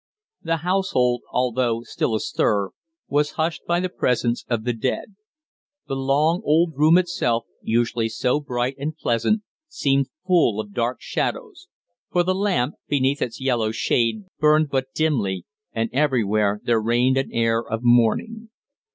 The household, although still astir, was hushed by the presence of the dead; the long old room itself, usually so bright and pleasant, seemed full of dark shadows, for the lamp, beneath its yellow shade, burned but dimly, and everywhere there reigned an air of mourning.